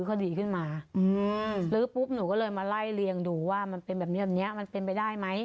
คดีขึ้นมาลื้อปุ๊บหนูก็เลยมาไล่เรียงดูว่ามันเป็นแบบนี้แบบนี้มันเป็นไปได้ไหม